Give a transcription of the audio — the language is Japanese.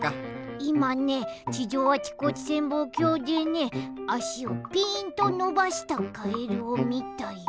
いまね地上あちこち潜望鏡でねあしをぴーんとのばしたカエルをみたよ。